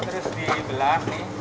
terus dibelah nih